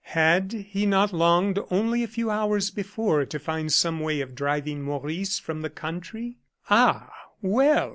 Had he not longed only a few hours before to find some way of driving Maurice from the country? Ah, well!